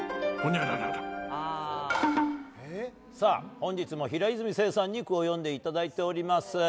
本日も平泉成さんに句を詠んでいただいております。